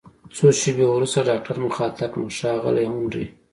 څو شیبې وروسته ډاکټر مخاطب کړم: ښاغلی هنري!